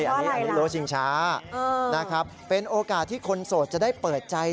อันนี้โล้ชิงช้านะครับเป็นโอกาสที่คนโสดจะได้เปิดใจ